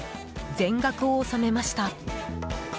全額を納めました。